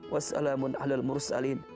wassalamun ala al mursalin